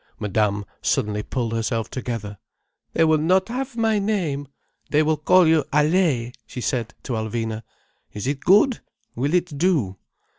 Madame suddenly pulled herself together. "They will not have my name. They will call you Allay!" she said to Alvina. "Is it good? Will it do?"